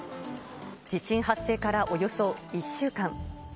地震発生からおよそ１週間。